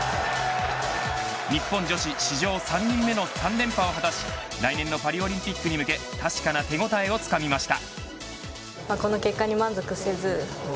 日本女子史上３人目の３連覇を果たし来年のパリオリンピックに向け確かな手応えをつかみました。